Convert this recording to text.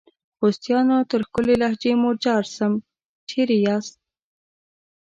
خوستیانو ! تر ښکلي لهجې مو جار سم ، چیري یاست؟